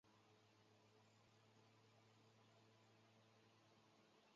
航天功勋奖章由北京握拉菲首饰有限公司设计制作。